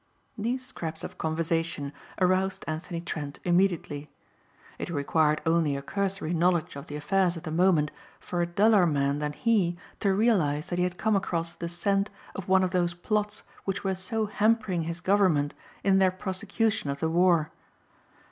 These scraps of conversation aroused Anthony Trent immediately. It required only a cursory knowledge of the affairs of the moment for a duller man than he to realize that he had come across the scent of one of those plots which were so hampering his government in their prosecution of the war.